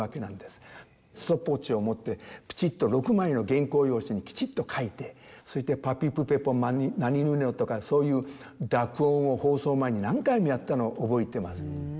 ストップウォッチを持ってきちっと６枚の原稿用紙にきちっと書いてそして「ぱぴぷぺぽなにぬねの」とかそういう濁音を放送前に何回もやったのを覚えています。